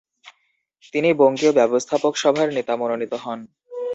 তিনি বঙ্গীয় ব্যবস্থাপক সভার নেতা মনোনীত হন।